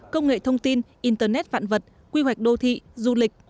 công nghệ thông tin internet vạn vật quy hoạch đô thị du lịch